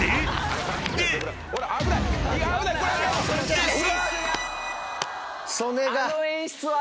［です！］